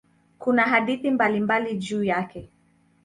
Kuna hadithi mbalimbali juu yake.